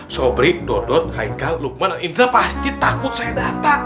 sobri dodot heikal lukman indra pasti takut saya data